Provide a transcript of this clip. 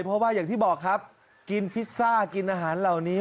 เพราะว่าอย่างที่บอกครับกินพิซซ่ากินอาหารเหล่านี้